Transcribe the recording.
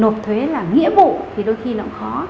nộp thuế là nghĩa vụ thì đôi khi nó cũng khó